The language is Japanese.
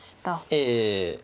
ええ。